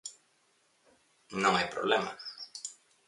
_Non hai problema.